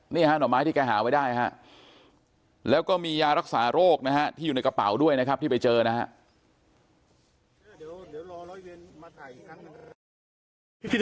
หน่อไม้ที่แกหาไว้ได้ฮะแล้วก็มียารักษาโรคนะฮะที่อยู่ในกระเป๋าด้วยนะครับที่ไปเจอนะครับ